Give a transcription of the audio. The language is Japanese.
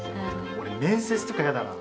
俺面接とかやだなあ。